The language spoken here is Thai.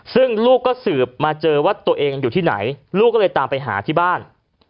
ซึ่งลูกก็สืบมาเจอว่าตัวเองอยู่ที่ไหนลูกก็เลยตามไปหาที่บ้าน